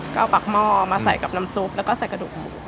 ก็เอาปากหม้อมาใส่กับน้ำซุปแล้วก็ใส่กระดูกหมู